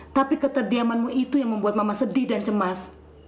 tapi keterdiamanmu itu yang membuat mama sedih dan cemas